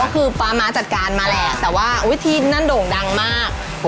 ก็คือป๊าม้าจัดการมาแหละแต่ว่าวิธีนั่นโด่งดังมาก